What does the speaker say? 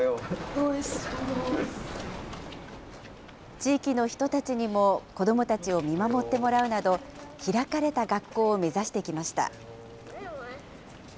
地域の人たちにも子どもたちを見守ってもらうなど、開かれた学校を目指してきました。